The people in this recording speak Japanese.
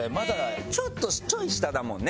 ちょっとちょい下だもんね。